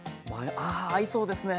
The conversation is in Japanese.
ああ合いそうですね。